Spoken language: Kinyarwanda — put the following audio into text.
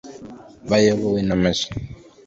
bayobowe na Maj